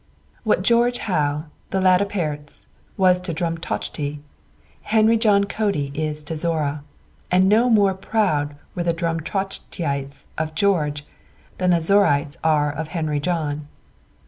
What George Howe, the lad o' pairts, was to Drumtochty, Henry John Cody is to Zorra; and no more proud were the Drumtochtyites of George than the Zorraites are of Henry John.